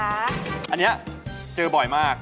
อันนี้เจอบ่อยมาก